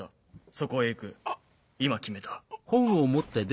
そこへ行く今決めた。